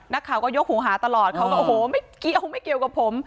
นักข่าวก็ยกหูหาตลอดเขาก็โอ้โหไม่เกี่ยวไม่เกี่ยวกับผม